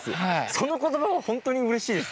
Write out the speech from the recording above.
その言葉はホントにうれしいです。